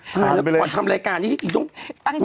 ทานไปเลยทำรายการนี้จริงตั้งใจ